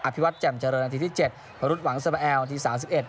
พิวัตรแจ่มเจริญนาทีที่๗วรุษหวังสมแอลที๓๑